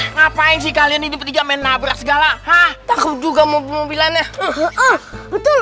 ngapain sih kalian ini percaya menabrak segala hah takut juga mobil mobilannya itu